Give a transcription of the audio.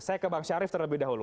saya ke bang syarif terlebih dahulu